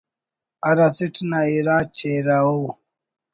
ہر اسٹ نا اِرا چہرہ ءُ